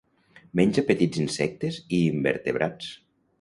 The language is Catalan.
Menja petits insectes i invertebrats.